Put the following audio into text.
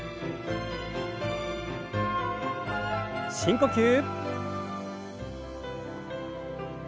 深呼吸。